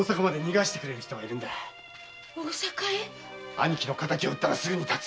兄貴の敵を討ったらすぐに発つ。